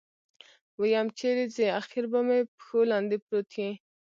ويم چېرې ځې اخېر به مې پښو لاندې پروت يې.